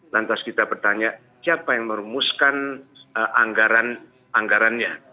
lantas kita bertanya siapa yang merumuskan anggarannya